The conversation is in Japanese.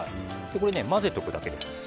これを混ぜておくだけです。